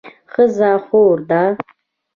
ښځه خور ده